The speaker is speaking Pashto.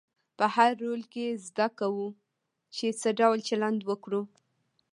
په هر رول کې زده کوو چې څه ډول چلند وکړو.